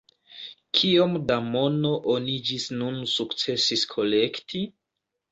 Kiom da mono oni ĝis nun sukcesis kolekti?